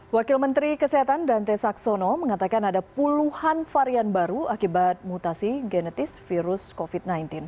wakil menteri kesehatan dante saxono mengatakan ada puluhan varian baru akibat mutasi genetis virus covid sembilan belas